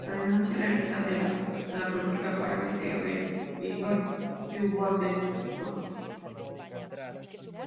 la denuncia realizada en la Policía para que se averigue si hubo acceso